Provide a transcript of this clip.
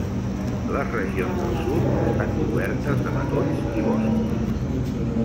Les regions del sud estan cobertes de matolls i boscos.